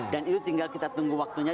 dan itu tinggal kita tunggu waktunya